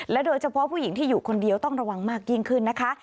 โดยเฉพาะผู้หญิงที่อยู่คนเดียวต้องระวังมากยิ่งขึ้นนะคะ